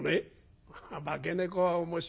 「化け猫は面白いな。